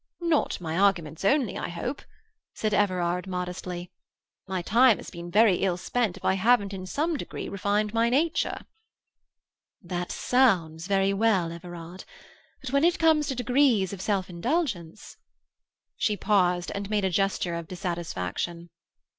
"Not my arguments only, I hope," said Everard modestly. "My time has been very ill spent if I haven't in some degree, refined my nature." "That sounds very well, Everard. But when it comes to degrees of self indulgence—" She paused and made a gesture of dissatisfaction.